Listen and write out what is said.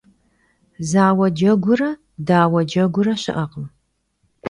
Zaue cegure daue cegure şı'ekhım.